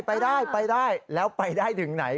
ไปได้แล้วไปได้ถึงไหน